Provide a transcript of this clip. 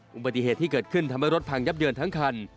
อุบัติเหตุที่เกิดขึ้นทำให้รถพังยับเยินทั้งคัน